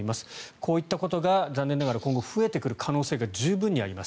こういったことが今後増加してくる可能性が十分にあります。